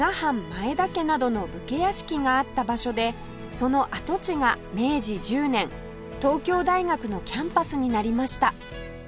藩前田家などの武家屋敷があった場所でその跡地が明治１０年東京大学のキャンパスになりました